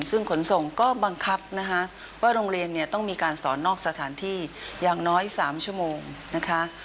ซึ่งขนส่งก็บังคับนะคะว่าโรงเรียนเนี่ยต้องมีการสอนนอกสถานที่อย่างน้อย๓ชั่วโมงนะคะ